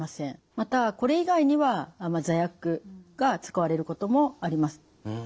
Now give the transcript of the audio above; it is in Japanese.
またこれ以外には座薬が使われることもあります。